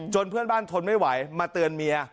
เพื่อนบ้านทนไม่ไหวมาเตือนเมีย